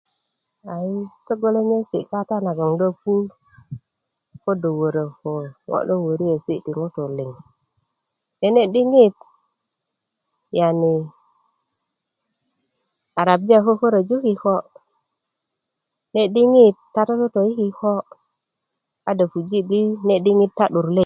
a yi ko togolonyesi kata nagon do a pu ko do wörö ko ŋo loŋ wöriesi ti ŋutu liŋ nene diŋitbyani arabiya kokoroju kiko ne diŋit ta tototo i kiko a do puji di ne diŋit ta 'dur let